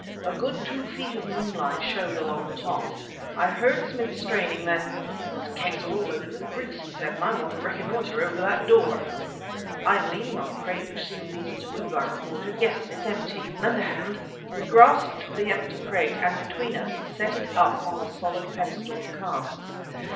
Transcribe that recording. A good two feet of moonlight showed along the top. I heard Smith straining; then "These kegs are all loaded with grease!" he said, "and I want to reconnoiter over that door." "I am leaning on a crate which seems easy to move," I reported. "Yes, it's empty. Lend a hand." We grasped the empty crate, and between us, set it up on a solid pedestal of casks.